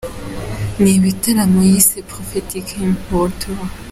Ni ibitaramo yise Prophetic Hymn World Tour.